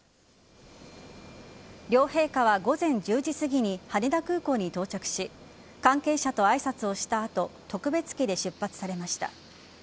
両陛下は午前１０時すぎに羽田空港に到着し関係者と挨拶をした後特別機で出発されました。